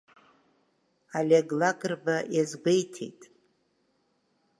Олег Лакрба иазгәеиҭеит…